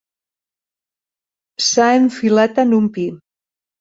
S'ha enfilat en un pi.